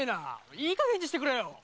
いいかげんにしてくれよ！